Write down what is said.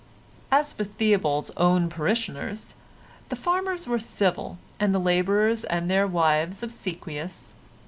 As for Theobald's own parishioners, the farmers were civil and the labourers and their wives obsequious.